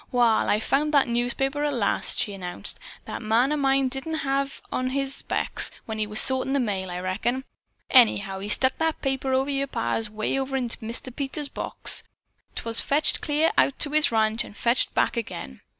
"Wall, I've found that newspaper at last," she announced. "That man of mine didn't have on his specks when he was sortin' the mail, I reckon. Anyhow he stuck that paper o' yer pa's 'way over into Mr. Peters' box. 'Twas fetched clear out to his ranch and fetched back agin."